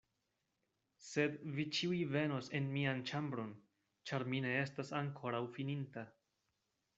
Sed vi ĉiuj venos en mian ĉambron, ĉar mi ne estas ankoraŭ fininta.